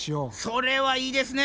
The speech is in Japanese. それはいいですね。